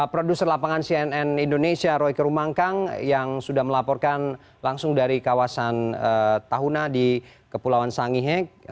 produser lapangan cnn indonesia roykerumangkang yang sudah melaporkan langsung dari kawasan tahuna di kepulauan sangihe